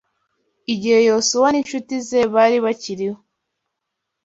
Igihe Yosuwa n’incuti ze bari bakiriho